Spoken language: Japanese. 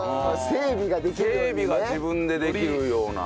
整備が自分でできるような。